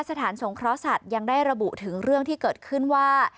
สถานสงเคราะห์สัตว์ยังได้ระบุถึงเรื่องที่เกิดขึ้นว่า